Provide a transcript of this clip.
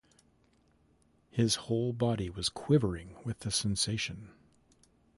His whole body was quivering with the sensation.